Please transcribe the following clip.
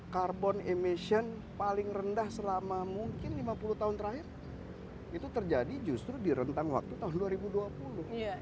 carbon emission paling rendah selama mungkin lima puluh tahun terakhir itu terjadi justru di rentang waktu tahun dua ribu dua puluh